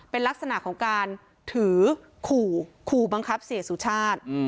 เป็นลักษณะของการถือขู่ขู่บังคับเสียสุชาติ